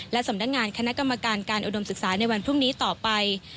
และสำนักงานคณะกรรมการการอุดมศึกษาในวันพรุ่งนี้ต่อไป